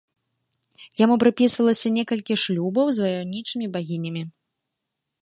Яму прыпісвалася некалькі шлюбаў з ваяўнічымі багінямі.